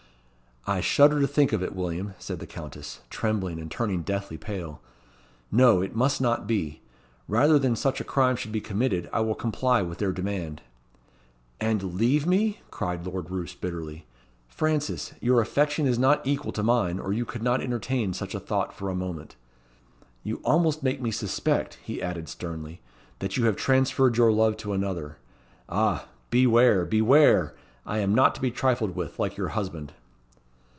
"I shudder to think of it, William," said the Countess, trembling and turning deathly pale. "No; it must not be. Rather than such a crime should be committed, I will comply with their demand." "And leave me?" cried Lord Roos, bitterly. "Frances, your affection is not equal to mine, or you could not entertain such a thought for a moment. You almost make me suspect," he added, sternly, "that you have transferred your love to another. Ah! beware! beware! I am not to be trifled with, like your husband."